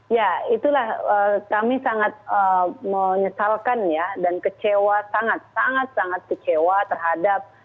ya itulah kami sangat menyesalkan ya dan kecewa sangat sangat kecewa terhadap